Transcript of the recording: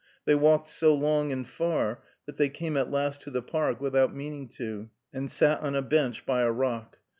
They walked so long and far, that they came at last to the Park without meaning to, and sat on a bench by a rock.